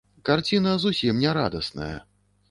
Карціна зусім не радасная.